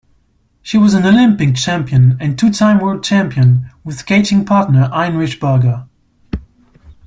She was an Olympic champion and two-time World champion with skating partner Heinrich Burger.